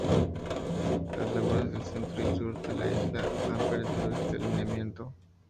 Las lenguas del centro y sur de la isla han perdido este alineamiento.